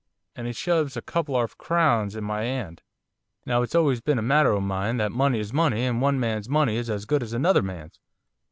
And he shoves a couple of 'arf crowns into my 'and. Now it's always been a motter o' mine, that money is money, and one man's money is as good as another man's.